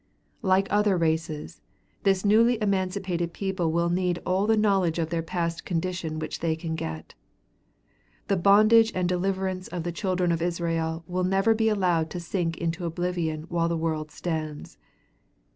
Like other races, this newly emancipated people will need all the knowledge of their past condition which they can get. The bondage and deliverance of the children of Israel will never be allowed to sink into oblivion while the world stands.